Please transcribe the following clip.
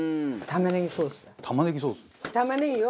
玉ねぎソース？